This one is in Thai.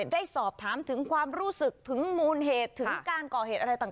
ได้สอบถามถึงความรู้สึกถึงมูลเหตุถึงการก่อเหตุอะไรต่าง